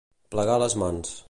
Plegar les mans.